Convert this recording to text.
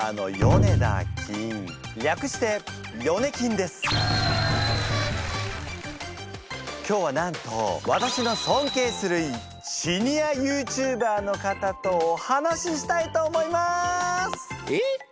略して今日はなんと私の尊敬するシニアＹｏｕＴｕｂｅｒの方とお話ししたいと思います！